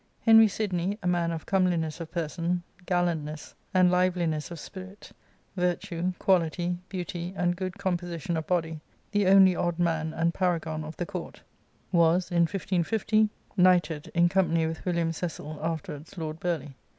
Henry Sidney, a man of "comeliness of person, gallantness and liveliness of spirit, virtue, quality, beauty and good composition of body, the only odd man and paragon of the court,"* was, in 1550^ Tcnightedj in company with William Cecil, afterwards Lord Burghley.